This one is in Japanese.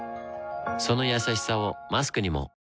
そのやさしさをマスクにも